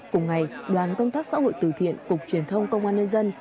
cùng ngày đoàn công tác xã hội từ thiện cục truyền thông công an nhân dân